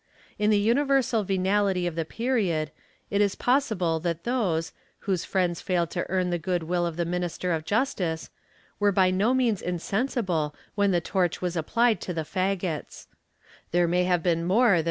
In the universal venality of the period, it is possible that those, whose friends failed to earn the good will of the minister of justice, were by no means insensible when the torch was applied to the faggots.